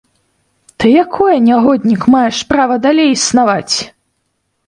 Ты якое, нягоднік, маеш права далей існаваць?